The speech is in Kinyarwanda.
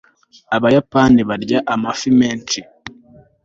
abayapani barya amafi menshi